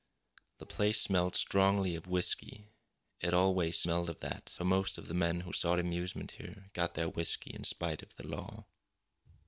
The place smelled strongly of whisky. It always smelled of that, for most of the men who sought amusement here got their whisky in spite of the law.